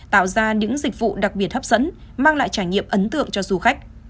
tạo ra những dịch vụ đặc biệt hấp dẫn mang lại trải nghiệm ấn tượng cho du khách